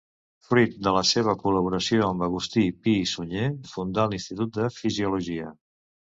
Fruit de la seva col·laboració amb August Pi i Sunyer, fundà l'Institut de Fisiologia.